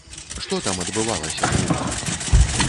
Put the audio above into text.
Што там адбывалася з гукам?